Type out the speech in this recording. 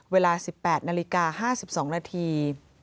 เวลา๑๘นาฬิกา๕๒นาที